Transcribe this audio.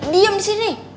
diam di sini